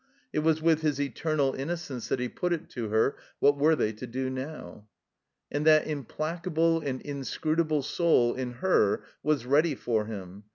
It was with his eternal innocence that he put it to her. What were they to do now? And that implacable and inscrutable soul in her was ready for him.